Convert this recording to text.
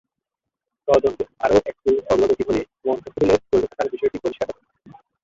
তদন্তের আরও একটু অগ্রগতি হলে মোন্তাসিরুলের জড়িত থাকার বিষয়টি পরিষ্কার হবে।